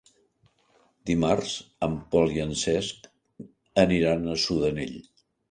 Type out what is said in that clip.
Dimarts en Pol i en Cesc aniran a Sudanell.